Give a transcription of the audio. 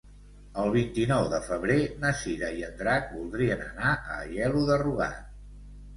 El vint-i-nou de febrer na Cira i en Drac voldrien anar a Aielo de Rugat.